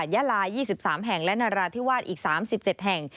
ยาลา๒๓แห่งและนราธิวาสอีก๓๗แห่ง